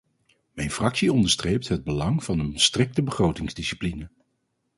Mijn fractie onderstreept het belang van een strikte begrotingsdiscipline.